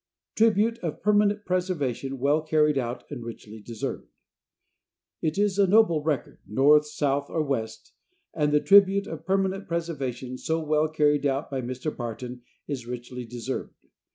"Tribute of Permanent Preservation Well Carried Out and Richly Deserved." It is a noble record, North, South or West, and the tribute of permanent preservation so well carried out by Mr. Barton is richly deserved.